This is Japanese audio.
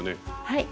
はい。